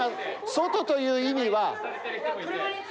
外という意味は。